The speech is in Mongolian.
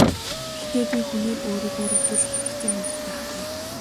Гэхдээ би хүнээр өөрийгөө өрөвдүүлэх хэрэгцээ надад байхгүй.